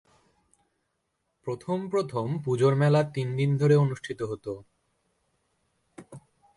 প্রথম প্রথম পুজোর মেলা তিনদিন ধরে অনুষ্ঠিত হত।